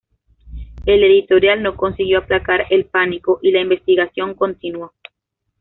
El editorial no consiguió aplacar el pánico y la investigación continuó.